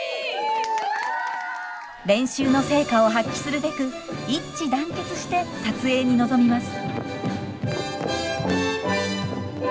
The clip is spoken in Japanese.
練習の成果を発揮するべく一致団結して撮影に臨みます。